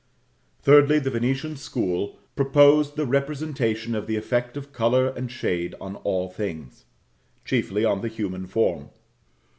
Thirdly, the Venetian school propose the representation of the effect of colour and shade on all things; chiefly on the human form.